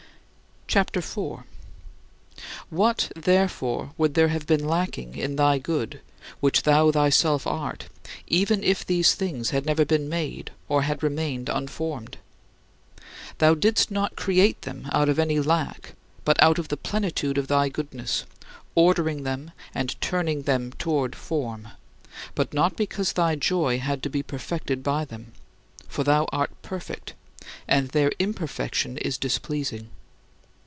CHAPTER IV 5. What, therefore, would there have been lacking in thy good, which thou thyself art, even if these things had never been made or had remained unformed? Thou didst not create them out of any lack but out of the plenitude of thy goodness, ordering them and turning them toward form, but not because thy joy had to be perfected by them. For thou art perfect, and their imperfection is displeasing.